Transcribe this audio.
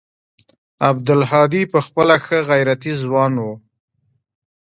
عبدالهادي پخپله ښه غيرتي ځوان و.